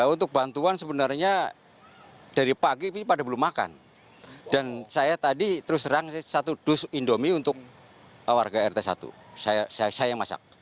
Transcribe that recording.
untuk bantuan sebenarnya dari pagi ini pada belum makan dan saya tadi terus terang satu dus indomie untuk warga rt satu saya yang masak